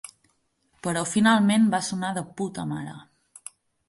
Però finalment va sonar de puta mare.